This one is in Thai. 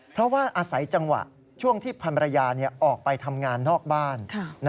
เพราะว่าอาศัยจังหวะช่วงที่พันรยาออกไปทำงานนอกบ้าน